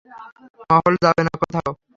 মহল যাবে না কোথাও।